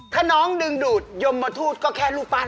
ถ้าน้องดึงดูดยมทูตก็แค่รูปปั้น